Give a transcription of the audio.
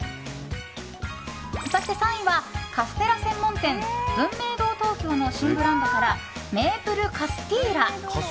そして３位は、カステラ専門店文明堂東京の新ブランドからメープルカスティーラ。